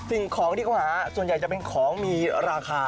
สิ่งของที่เขาหาส่วนใหญ่จะเป็นของมีราคา